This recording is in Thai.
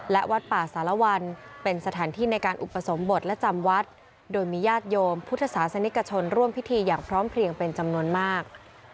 และวัดป่าสารวัลเป็นสถานที่ในการอุปสมบทและจำวัดโดยมีญาติโยมพุทธศาสนิกชนร่วมพิธีอย่างพร้อมเพลียงเป็นจำนวนมาก